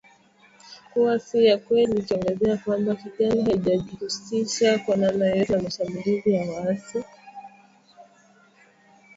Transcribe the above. kuwa si ya kweli ikiongezea kwamba Kigali haijihusishi kwa namna yoyote na mashambulizi ya waasi hao nchini Demokrasia ya Kongo